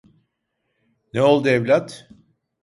Ne oldu evlat?